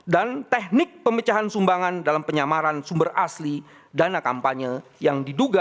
dan teknik pemecahan sumbangan dalam penyamaran sumber asli dana kampanye yang diduga